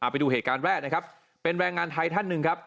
ไปดูเหตุการณ์แรกนะครับเป็นแรงงานไทยท่านหนึ่งครับ